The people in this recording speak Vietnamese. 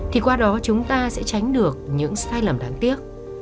thì qua đó chúng ta sẽ tránh được những sai lầm đáng tiếc